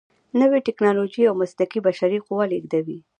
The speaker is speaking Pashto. نوې ټیکنالوجې او مسلکي بشري قوه لیږدوي.